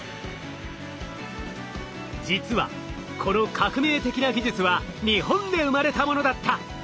実はこの革命的な技術は日本で生まれたものだった！